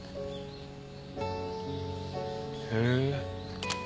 へえ。